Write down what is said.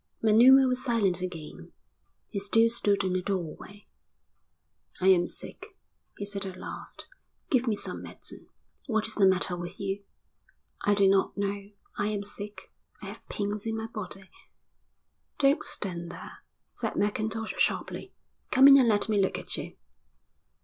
Manuma was silent again. He still stood in the doorway. "I am sick," he said at last. "Give me some medicine." "What is the matter with you?" "I do not know. I am sick. I have pains in my body." "Don't stand there," said Mackintosh sharply. "Come in and let me look at you."